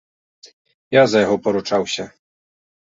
Я за яго паручаўся.